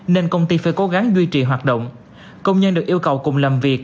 nên công ty phải cố gắng duy trì hoạt động công nhân được yêu cầu cùng làm việc